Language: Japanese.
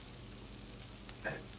えっ？